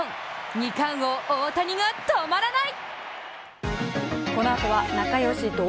二冠王・大谷が止まらない。